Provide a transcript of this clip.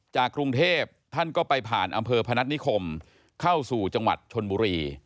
กรุงเทพท่านก็ไปผ่านอำเภอพนัฐนิคมเข้าสู่จังหวัดชนบุรี